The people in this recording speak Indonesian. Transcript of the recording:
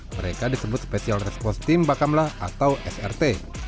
mereka disebut special response team bakamlah atau srt